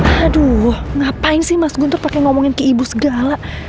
aduh ngapain sih mas guntur pakai ngomongin ke ibu segala